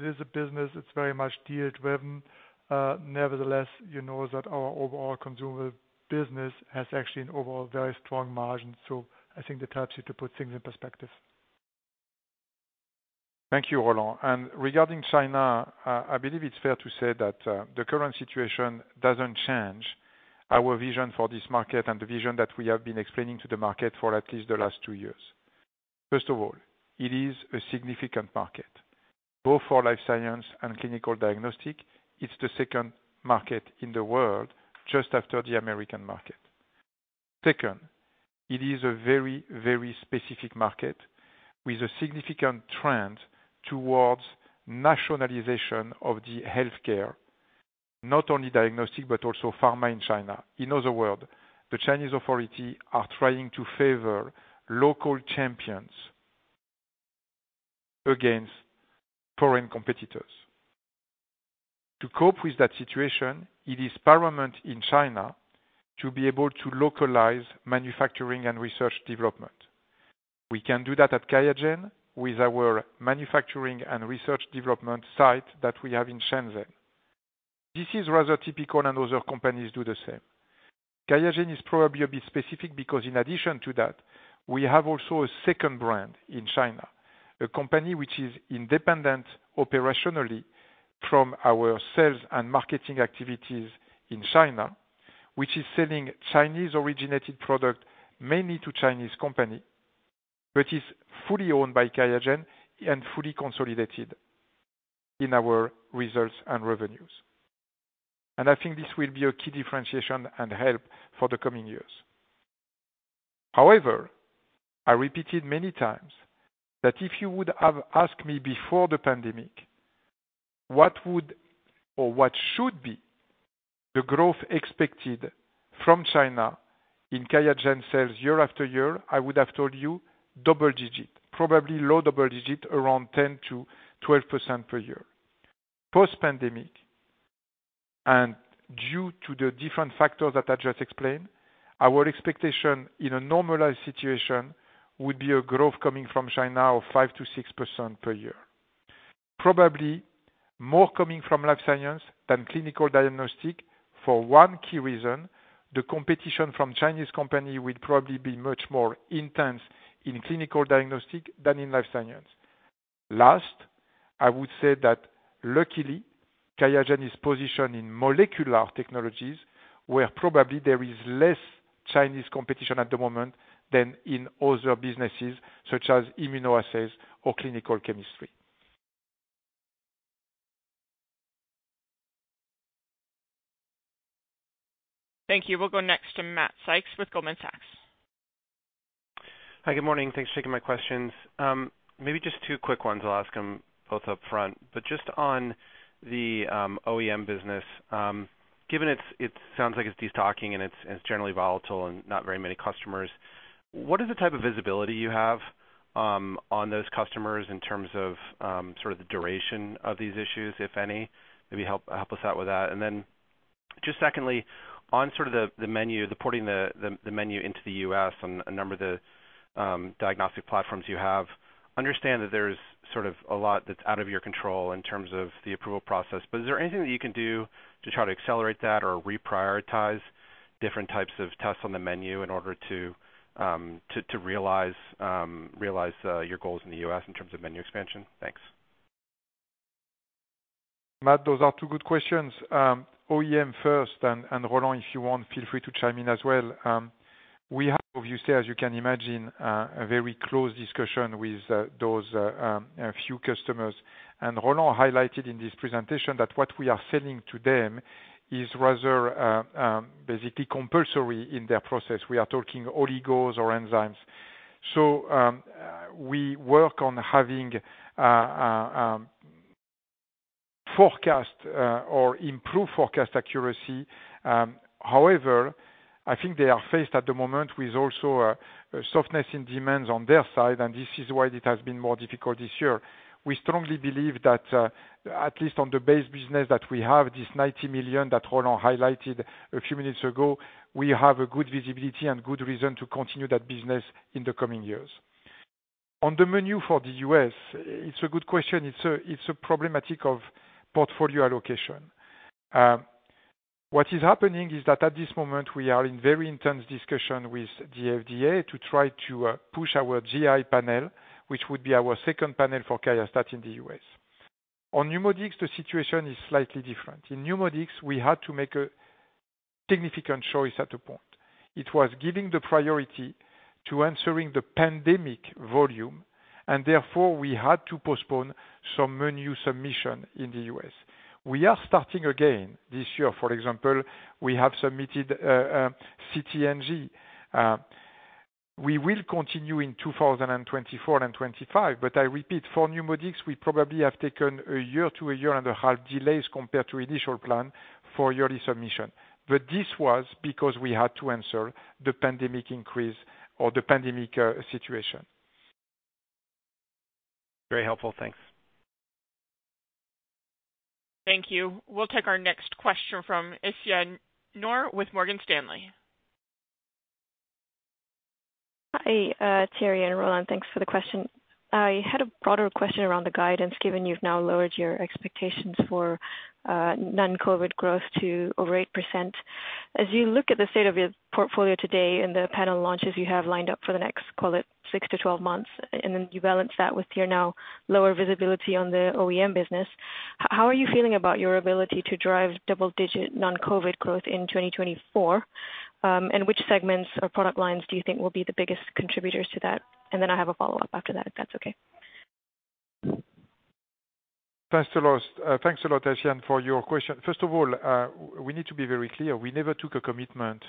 is a business, it's very much deal driven. Nevertheless, you know that our overall consumer business has actually an overall very strong margin, so I think that helps you to put things in perspective. Thank you, Roland. Regarding China, I believe it's fair to say that the current situation doesn't change our vision for this market and the vision that we have been explaining to the market for at least the last two years. First of all, it is a significant market, both for life science and clinical diagnostic. It's the second market in the world, just after the American market. Second, it is a very, very specific market with a significant trend towards nationalization of the healthcare, not only diagnostic, but also pharma in China. In other words, the Chinese authority are trying to favor local champions against foreign competitors. To cope with that situation, it is paramount in China to be able to localize manufacturing and research development. We can do that at QIAGEN with our manufacturing and research development site that we have in Shenzhen. This is rather typical, and other companies do the same. QIAGEN is probably a bit specific because in addition to that, we have also a second brand in China, a company which is independent operationally from our sales and marketing activities in China, which is selling Chinese-originated product, mainly to Chinese company, but is fully owned by QIAGEN and fully consolidated in our results and revenues. I think this will be a key differentiation and help for the coming years. However, I repeated many times that if you would have asked me before the pandemic, what would, or what should be the growth expected from China in QIAGEN sales year after year, I would have told you double digit, probably low double digit, around 10%-12% per year. Post-pandemic, due to the different factors that I just explained, our expectation in a normalized situation would be a growth coming from China of 5%-6% per year. Probably more coming from life science than clinical diagnostic for one key reason: the competition from Chinese company will probably be much more intense in clinical diagnostic than in life science. Last, I would say that luckily, QIAGEN is positioned in molecular technologies, where probably there is less Chinese competition at the moment than in other businesses, such as immunoassays or clinical chemistry. Thank you. We'll go next to Matt Sykes with Goldman Sachs. Hi, good morning. Thanks for taking my questions. Maybe just two quick ones. I'll ask them both up front. Just on the OEM business, given it sounds like it's destocking, and it's, it's generally volatile and not very many customers, what is the type of visibility you have on those customers in terms of sort of the duration of these issues, if any? Maybe help, help us out with that. Then, just secondly, on sort of the, the menu, the porting the, the, the menu into the US and a number of the diagnostic platforms you have, understand that there's sort of a lot that's out of your control in terms of the approval process. Is there anything that you can do to try to accelerate that or reprioritize different types of tests on the menu in order to realize your goals in the U.S. in terms of menu expansion? Thanks. Matt, those are two good questions. OEM first, and Roland, if you want, feel free to chime in as well. We have, obviously, as you can imagine, a very close discussion with those a few customers. Roland highlighted in this presentation that what we are selling to them is rather basically compulsory in their process. We are talking oligos or enzymes. We work on having forecast or improved forecast accuracy. I think they are faced at the moment with also a softness in demands on their side, and this is why it has been more difficult this year. We strongly believe that, at least on the base business, that we have this 90 million, that Roland highlighted a few minutes ago, we have a good visibility and good reason to continue that business in the coming years. On the menu for the US, it's a good question. It's a, it's a problematic of portfolio allocation. What is happening is that at this moment, we are in very intense discussion with the F.D.A. to try to push our GI panel, which would be our second panel for QIAstat in the US. On NeuMoDx, the situation is slightly different. In NeuMoDx, we had to make a significant choice at a point. It was giving the priority to answering the pandemic volume, and therefore, we had to postpone some menu submission in the US. We are starting again this year, for example, we have submitted CT/NG. We will continue in 2024 and 2025, but I repeat, for NeuMoDx, we probably have taken a year to 1.5 years delays compared to initial plan for yearly submission. This was because we had to answer the pandemic increase or the pandemic situation. Very helpful. Thanks. Thank you. We'll take our next question from Aisyah Noor, with Morgan Stanley. Hi, Thierry and Roland. Thanks for the question. I had a broader question around the guidance, given you've now lowered your expectations for non-COVID growth to over 8%. As you look at the state of your portfolio today and the panel launches you have lined up for the next, call it 6-12 months, and then you balance that with your now lower visibility on the OEM business, how are you feeling about your ability to drive double-digit non-COVID growth in 2024? Which segments or product lines do you think will be the biggest contributors to that? Then I have a follow-up after that, if that's okay. Thanks a lot. Thanks a lot, Aisyah, for your question. First of all, we need to be very clear. We never took a commitment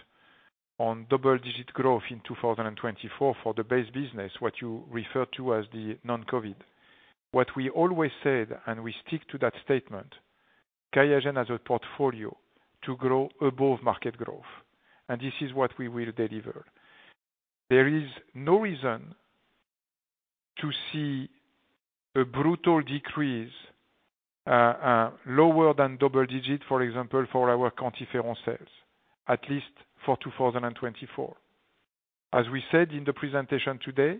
on double-digit growth in 2024 for the base business, what you refer to as the non-COVID. What we always said, and we stick to that statement, QIAGEN has a portfolio to grow above market growth, and this is what we will deliver. There is no reason to see a brutal decrease, lower than double-digit, for example, for our QuantiFERON sales, at least for 2024. As we said in the presentation today,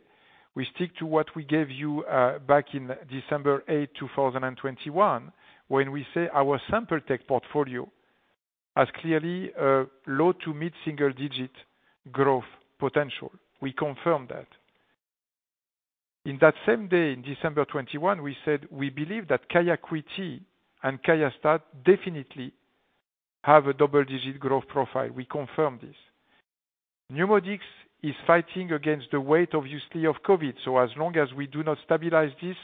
we stick to what we gave you back in December 8th, 2021, when we say our Sample tech portfolio has clearly a low to mid-single-digit growth potential. We confirm that. In that same day, in December 21, we said we believe that QIAcuity and QIAstat definitely have a double-digit growth profile. We confirm this. NeuMoDx is fighting against the weight, obviously, of COVID, so as long as we do not stabilize this,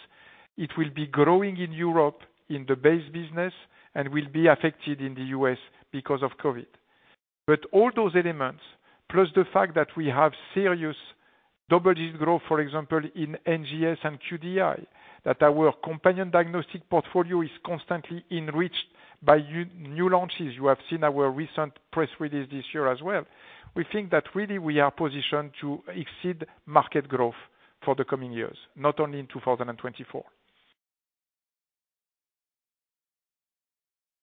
it will be growing in Europe, in the base business, and will be affected in the U.S. because of COVID. All those elements, plus the fact that we have serious double-digit growth, for example, in NGS and QDI, that our companion diagnostic portfolio is constantly enriched by new launches. You have seen our recent press release this year as well. We think that really we are positioned to exceed market growth for the coming years, not only in 2024.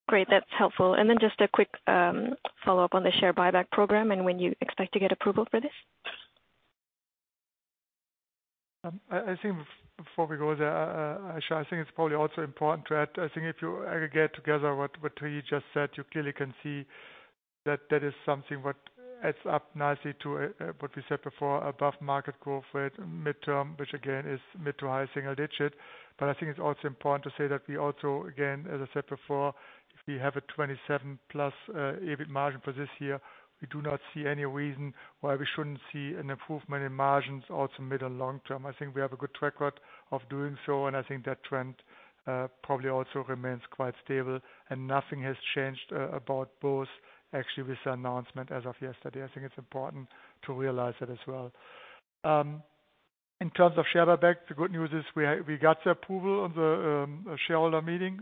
Great, that's helpful. And then just a quick, follow-up on the share buyback program, and when you expect to get approval for this? I, I think before we go there, Aisyah, I think it's probably also important to add, I think if you aggregate together what, what Thierry just said, you clearly can see that that is something what adds up nicely to what we said before, above market growth rate midterm, which again, is mid to high single digit. I think it's also important to say that we also, again, as I said before, if we have a 27%+ EBIT margin for this year, we do not see any reason why we shouldn't see an improvement in margins also mid and long term. I think we have a good track record of doing so, and I think that trend probably also remains quite stable, and nothing has changed about both actually with the announcement as of yesterday. I think it's important to realize that as well. In terms of share buyback, the good news is we got the approval on the shareholder meeting.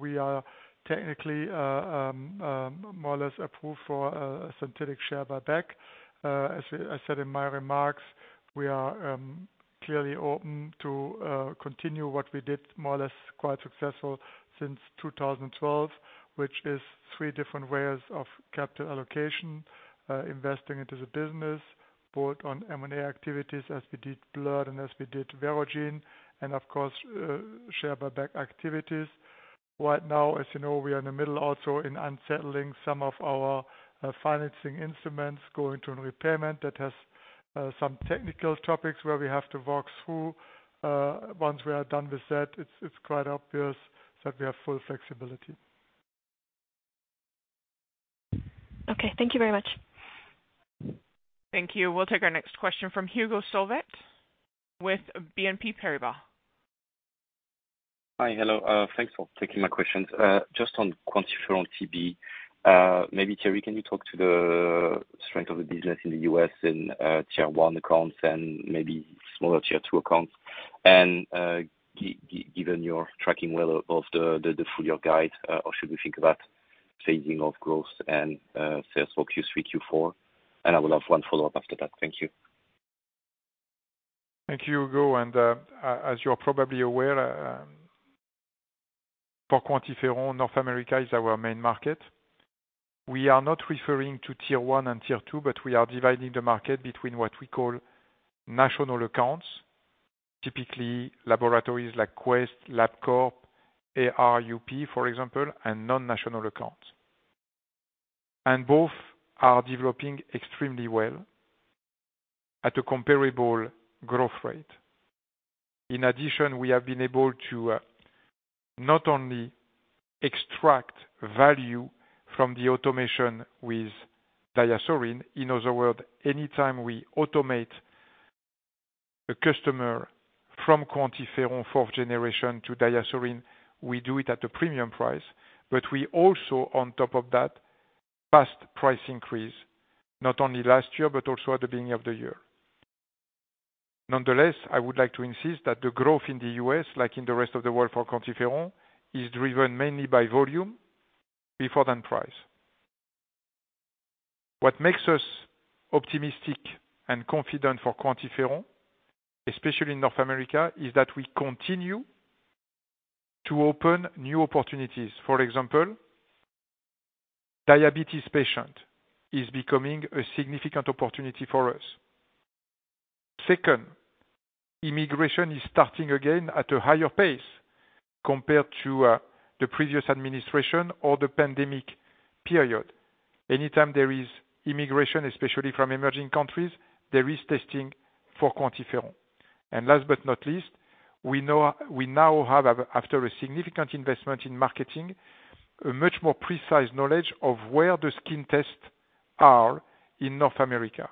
We are technically more or less approved for a synthetic share buyback. As I said in my remarks, we are clearly open to continue what we did more or less quite successful since 2012, which is three different ways of capital allocation, investing into the business, both on M&A activities as we did BLIRT and as we did Verogen, and of course, share buyback activities. Right now, as you know, we are in the middle also in unsettling some of our financing instruments, going to a repayment that has some technical topics where we have to work through. Once we are done with that, it's quite obvious that we have full flexibility. Okay. Thank you very much. Thank you. We'll take our next question from Hugo Sauvet, with BNP Paribas. Hi. Hello. Thanks for taking my questions. Just on QuantiFERON TB, maybe, Thierry, can you talk to the strength of the business in the U.S. in tier 1 accounts and maybe smaller tier 2 accounts? Given your tracking well of the, the, the full year guide, or should we think about phasing of growth and sales for Q3, Q4? I will have 1 follow-up after that. Thank you. Thank you, Hugo. As you're probably aware, for QuantiFERON, North America is our main market. We are not referring to tier one and tier two, but we are dividing the market between what we call national accounts, typically laboratories like Quest, LabCorp, ARUP, for example, and non-national accounts. Both are developing extremely well at a comparable growth rate. In addition, we have been able to not only extract value from the automation with DiaSorin. In other words, anytime we automate a customer from QuantiFERON fourth generation to DiaSorin, we do it at a premium price. We also on top of that, passed price increase, not only last year, but also at the beginning of the year. Nonetheless, I would like to insist that the growth in the US, like in the rest of the world for QuantiFERON, is driven mainly by volume before than price. What makes us optimistic and confident for QuantiFERON, especially in North America, is that we continue to open new opportunities. For example, diabetes patient is becoming a significant opportunity for us. Second, immigration is starting again at a higher pace compared to the previous administration or the pandemic period. Anytime there is immigration, especially from emerging countries, there is testing for QuantiFERON. Last but not least, we now have, after a significant investment in marketing, a much more precise knowledge of where the skin tests are in North America.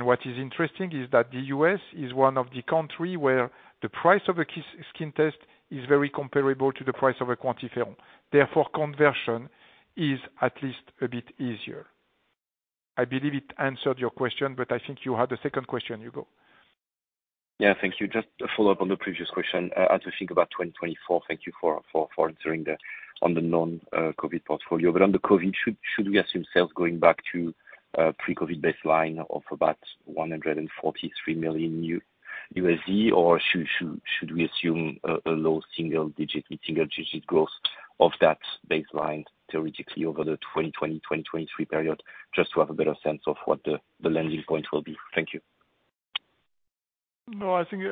What is interesting is that the US is one of the country where the price of a skin test is very comparable to the price of a QuantiFERON. Therefore, conversion is at least a bit easier. I believe it answered your question, but I think you had a second question, Hugo. Yeah, thank you. Just a follow-up on the previous question. As we think about 2024, thank you for, for, for answering the, on the non-COVID portfolio. On the COVID, should, should we assume sales going back to pre-COVID baseline of about $143 million? Or should, should, should we assume a, a low single digit, mid-single digit growth of that baseline, theoretically over the 2020, 2023 period, just to have a better sense of what the, the landing point will be? Thank you. No, I think,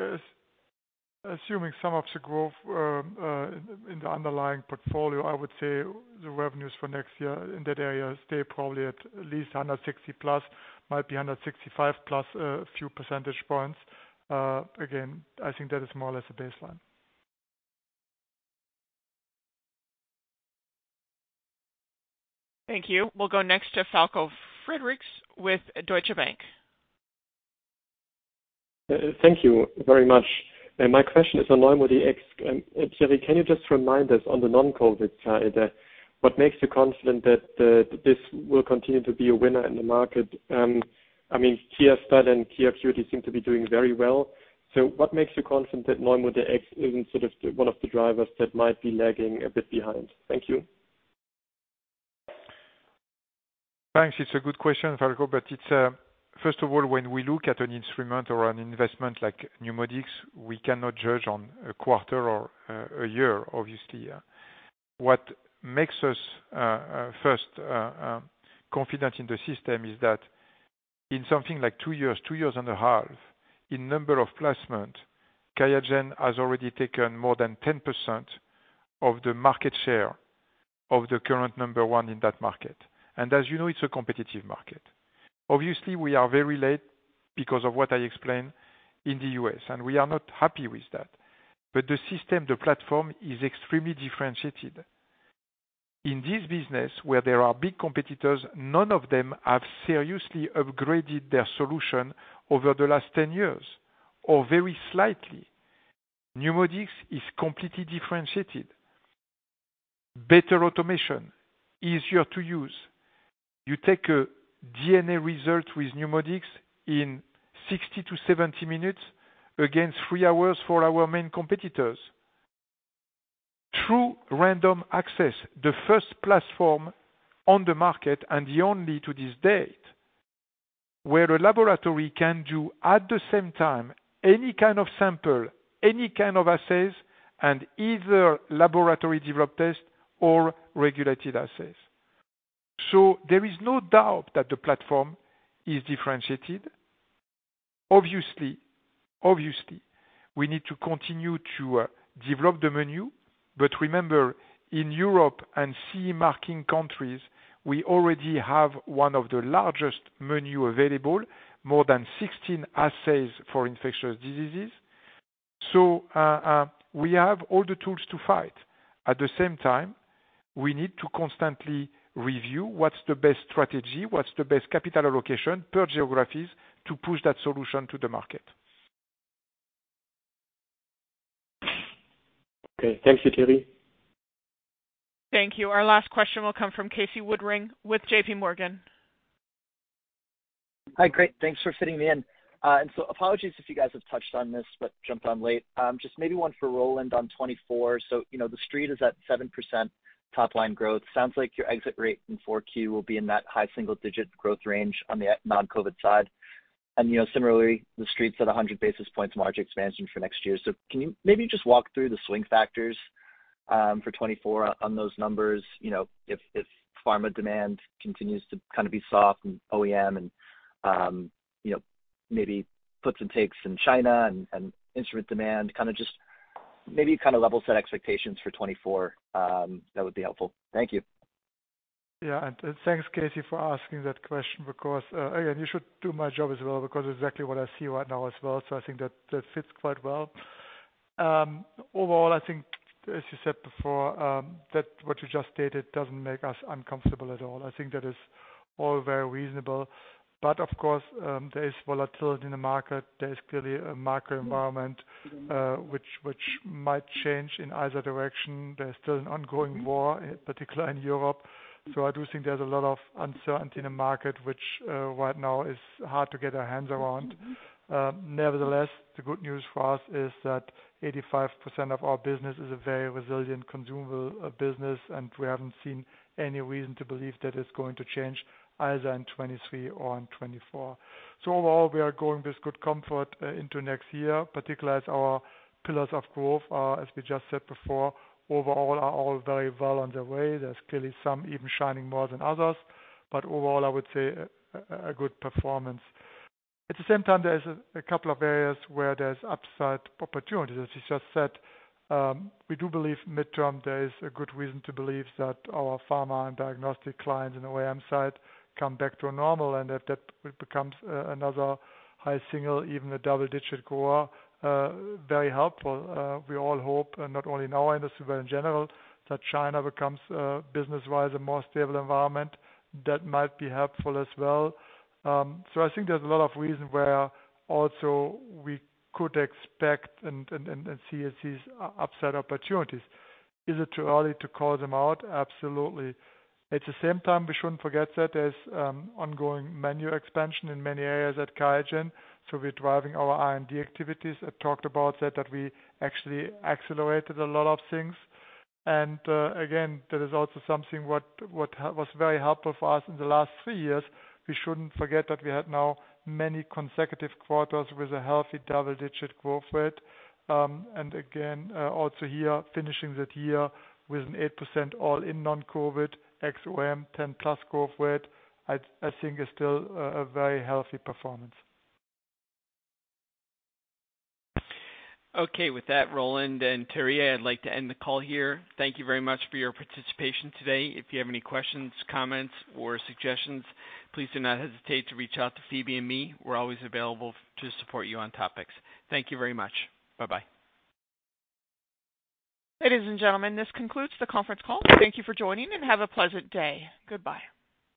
assuming some of the growth, in the underlying portfolio, I would say the revenues for next year in that area stay probably at least $160 plus, might be $165 plus, a few percentage points. Again, I think that is more or less a baseline. Thank you. We'll go next to Falko Friedrichs with Deutsche Bank. Thank you very much. My question is on NeuMoDx. Thierry, can you just remind us on the non-COVID side, what makes you confident that this will continue to be a winner in the market? I mean, QIAstat and QIAcuity seem to be doing very well. What makes you confident that NeuMoDx isn't sort of the, one of the drivers that might be lagging a bit behind? Thank you. Thanks. It's a good question, Falco, but it's, first of all, when we look at an instrument or an investment like NeuMoDx, we cannot judge on a quarter or a year, obviously. What makes us, first, confident in the system is that in something like 2 years, 2 and a half years, in number of placement, QIAGEN has already taken more than 10% of the market share of the current number one in that market. As you know, it's a competitive market. Obviously, we are very late because of what I explained in the US, and we are not happy with that. The system, the platform, is extremely differentiated. In this business, where there are big competitors, none of them have seriously upgraded their solution over the last 10 years or very slightly. NeuMoDx is completely differentiated, better automation, easier to use. You take a DNA result with NeuMoDx in 60-70 minutes, against 3 hours for our main competitors. True random access, the first platform on the market and the only to this date, where a laboratory can do at the same time, any kind of sample, any kind of assays, and either laboratory developed test or regulated assays. There is no doubt that the platform is differentiated. Obviously, obviously, we need to continue to develop the menu, but remember, in Europe and CE marking countries, we already have one of the largest menu available, more than 16 assays for infectious diseases. We have all the tools to fight. At the same time, we need to constantly review what's the best strategy, what's the best capital allocation per geographies to push that solution to the market. Okay. Thank you, Thierry. Thank you. Our last question will come from Casey Woodring with JPMorgan. Hi, great, thanks for fitting me in. Apologies if you guys have touched on this, but jumped on late. Just maybe one for Roland on 2024. You know, the street is at 7% top line growth. Sounds like your exit rate in 4Q will be in that high single-digit growth range on the non-COVID side. You know, similarly, the street's at 100 basis points margin expansion for next year. Can you maybe just walk through the swing factors for 2024 on those numbers? You know, if, if pharma demand continues to kind of be soft and OEM and, you know, maybe puts and takes in China and, and instrument demand, kind of just maybe kind of level set expectations for 2024, that would be helpful. Thank you. Yeah, thanks, Casey, for asking that question, because again, you should do my job as well, because exactly what I see right now as well. I think that that fits quite well. Overall, I think as you said before, that what you just stated doesn't make us uncomfortable at all. I think that is all very reasonable. Of course, there is volatility in the market. There is clearly a macro environment, which, which might change in either direction. There's still an ongoing war, particularly in Europe. I do think there's a lot of uncertainty in the market, which right now is hard to get our hands around. Nevertheless, the good news for us is that 85% of our business is a very resilient consumable business, and we haven't seen any reason to believe that it's going to change either in 2023 or in 2024. Overall, we are going with good comfort into next year, particularly as our pillars of growth are, as we just said before, overall, are all very well on the way. There's clearly some even shining more than others, but overall, I would say a good performance. At the same time, there's a couple of areas where there's upside opportunities. As you just said, we do believe midterm, there is a good reason to believe that our pharma and diagnostic clients in the OEM side come back to a normal, and if that becomes another high single, even a double-digit grower, very helpful. We all hope, and not only in our industry, but in general, that China becomes, business-wise, a more stable environment. That might be helpful as well. I think there's a lot of reasons where also we could expect and see as these upside opportunities. Is it too early to call them out? Absolutely. At the same time, we shouldn't forget that there's ongoing menu expansion in many areas at QIAGEN, so we're driving our R&D activities. I talked about that, that we actually accelerated a lot of things. Again, that is also something what was very helpful for us in the last three years. We shouldn't forget that we had now many consecutive quarters with a healthy double-digit growth rate. Again, also here, finishing the year with an 8% all-in non-COVID ex-OEM, 10+ growth rate, I think is still a very healthy performance. Okay. With that, Roland and Thierry, I'd like to end the call here. Thank you very much for your participation today. If you have any questions, comments, or suggestions, please do not hesitate to reach out to Phoebe and me. We're always available to support you on topics. Thank you very much. Bye-bye. Ladies and gentlemen, this concludes the conference call. Thank you for joining, and have a pleasant day. Goodbye.